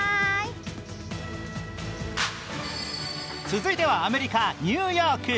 続いてはアメリカ・ニューヨーク。